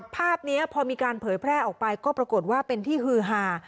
ภาพนี้พอมีการเผยแพร่ออกไปก็ปรากฏว่าเป็นที่ฮือหา